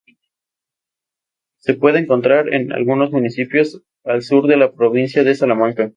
Se puede encontrar en algunos municipios al sur de la provincia de Salamanca.